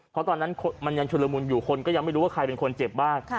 เพราะตอนนั้นมันยังชุลมุนอยู่คนก็ยังไม่รู้ว่าใครเป็นคนเจ็บบ้าง